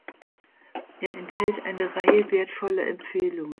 Er enthält eine Reihe wertvoller Empfehlungen.